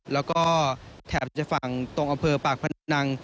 แล้วก็แถบจากฝั่งตรงอำเภอปากพนัง